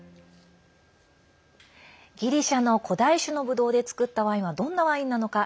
ギリシャの古代種のブドウで造ったワインはどんなワインなのか。